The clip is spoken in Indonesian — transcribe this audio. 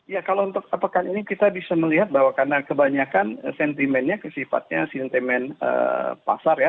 ya kalau untuk pekan ini kita bisa melihat bahwa karena kebanyakan sentimennya kesifatnya sentimen pasar ya